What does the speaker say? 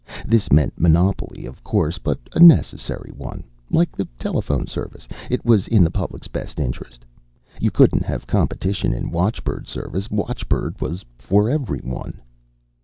This meant monopoly, of course, but a necessary one. Like the telephone service, it was in the public's best interests. You couldn't have competition in watchbird service. Watchbird was for everyone.